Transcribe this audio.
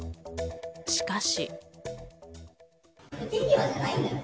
しかし。